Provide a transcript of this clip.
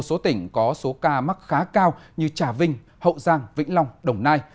số tỉnh có số ca mắc khá cao như trà vinh hậu giang vĩnh long đồng nai